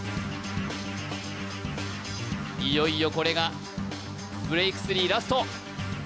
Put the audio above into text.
いよいよこれがブレイク３ラスト！